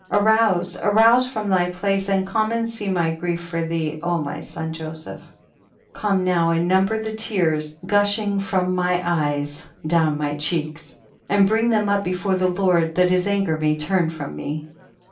arouse, arouse from thy place, and come and see my grief for thee, O my son Joseph. 26. Come now and number the tears gushing from my eyes down my cheeks, and bring them up before the Lord, that his anger may turn from me.